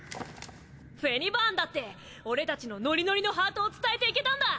フェニバーンだって俺たちの「ノリノリ」のハートを伝えていけたんだ！